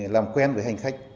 làm quen với hành khách